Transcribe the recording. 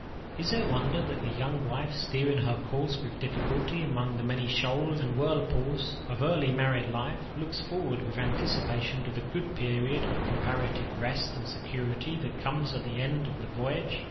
Is there wonder that the young wife, steering her course with difficulty among the many shoals and whirlpools of early married life, looks forward with anticipation to the period of comparative rest and security that comes at the end of the voyage?